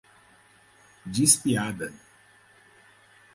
Diz piada